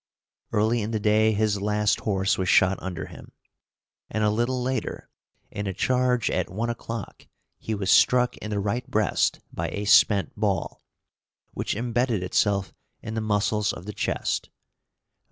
Early in the day his last horse was shot under him, and a little later, in a charge at one o'clock, he was struck in the right breast by a spent ball, which embedded itself in the muscles of the chest.